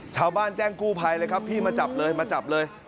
แจ้งกู้ภัยเลยครับพี่มาจับเลยมาจับเลย